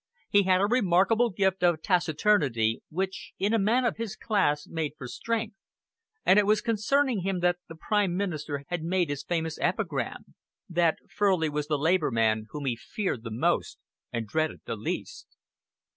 He had a remarkable gift of taciturnity, which in a man of his class made for strength, and it was concerning him that the Prime Minister had made his famous epigram, that Furley was the Labour man whom he feared the most and dreaded the least.